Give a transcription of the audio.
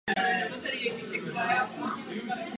Podobné hodnoty byly zjištěny též u ptáků.